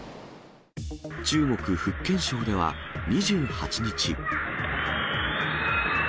中国・福建省では２８日。